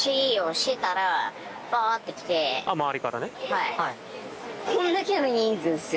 はい。